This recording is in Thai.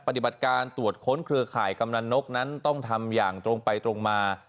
ปฏิบัติการตรวจค้นเครือข่ายกำนันนกนั้นต้องทำอย่างตรงไปตรงมา